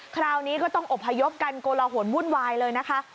คราวนี้ก็ต้องอบพยพกันโกลหนวุ่นวายเลยนะคะ